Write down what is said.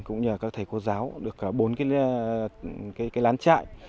cũng như là các thầy cô giáo được bốn cái lán trại